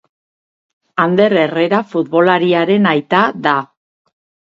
Ander Herrera futbolariaren aita da.